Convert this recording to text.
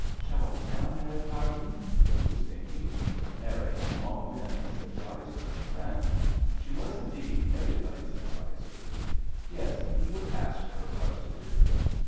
" Shall I tell Mary Carton ?" he was thinking. Mary had long been his adviser and friend. She was, indeed, everybody's adviser. Yes, he would ask her what to do.